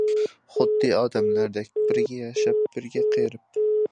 خۇددى ئادەملەردەك بىرگە ياشاپ، بىرگە قېرىپ.